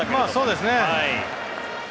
そうですね。